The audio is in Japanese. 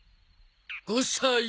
５歳。